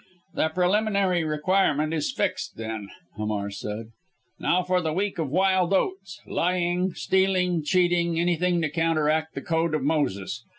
"The preliminary requirement is fixed then," Hamar said. "Now for the week of wild oats! Lying, stealing, cheating anything to counteract the code of Moses!